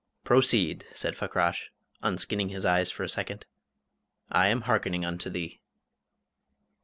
"Proceed," said Fakrash, unskinning his eyes for a second; "I am hearkening unto thee."